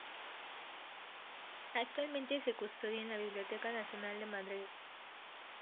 Actualmente se custodia en la Biblioteca Nacional de Madrid.